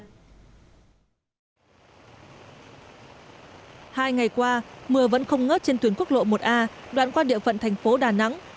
hai ngày qua mưa vẫn không ngớt trên tuyến quốc lộ một a đoạn qua địa phận thành phố đà nẵng